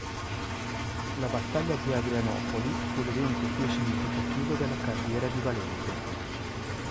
La battaglia di Adrianopoli fu l'evento più significativo della carriera di Valente.